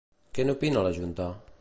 Què n'opina la junta?